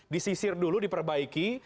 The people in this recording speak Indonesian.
disisir dulu diperbaiki